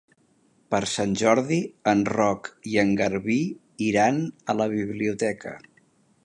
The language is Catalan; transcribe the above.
Per Sant Jordi en Roc i en Garbí iran a la biblioteca.